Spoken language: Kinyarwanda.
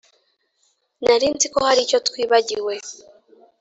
Nari nzi ko hari icyo twibagiwe